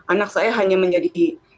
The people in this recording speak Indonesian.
anak saya hanya menjadi